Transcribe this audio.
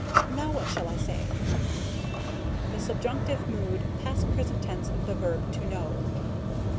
Now what shall I say?" "The subjunctive mood, past perfect tense of the verb 'to know.'"